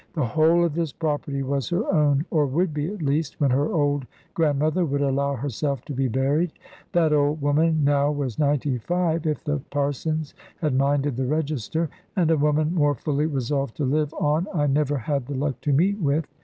The whole of this property was her own; or would be, at least, when her old grandmother would allow herself to be buried. That old woman now was ninety five, if the parsons had minded the register; and a woman more fully resolved to live on I never had the luck to meet with.